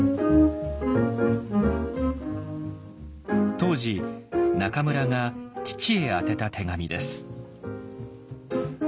当時中村が父へ宛てた手紙です。